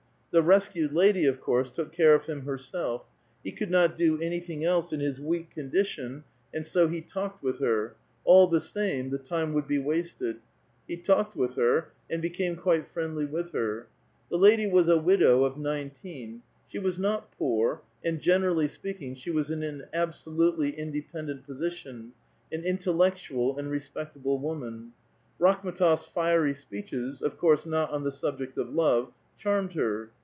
The rescued lady, of course, took care of him bei'self . JBLe could not do anything else in his weak condi 288 A VITAL QUESTION. tion, and bo he talked with her — all the same the time would be wasted — he talked with her, and became quite friendly with her. The lady was a widow of nineteen ; she was not IXK)r, and, generally sf^eaking, she was in an absolutely in dependent position, an intellectual and respectable woman. Rakhm^tofs fiery s[>eeches, of couree not on the subject of love, charmed her.